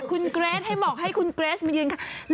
คุณเกรทให้เหมาะให้คุณเกรทมายืนข้าง